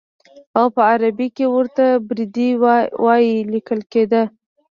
او په عربي کې ورته بردي وایي لیکل کېده.